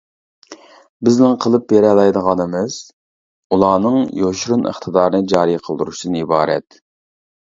بىزنىڭ قىلىپ بېرەلەيدىغىنىمىز، ئۇلارنىڭ يوشۇرۇن ئىقتىدارىنى جارى قىلدۇرۇشتىن ئىبارەت.